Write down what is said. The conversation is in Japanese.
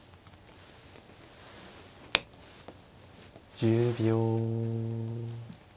１０秒。